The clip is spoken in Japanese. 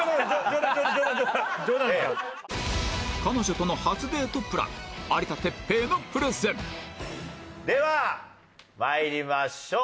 彼女との初デートプラン有田哲平のプレゼンでは参りましょう。